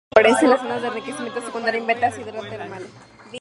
Aparece en las zonas de enriquecimiento secundario en vetas hidrotermales.